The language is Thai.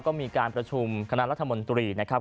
ก็มีการประชุมคณะรัฐมนตรีนะครับ